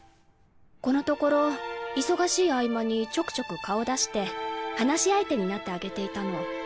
このところ忙しい合間にちょくちょく顔出して話し相手になってあげていたの。